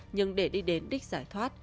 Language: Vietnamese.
nhưng để đi đến đích giải thoát